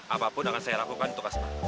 apapun akan saya lakukan untuk asma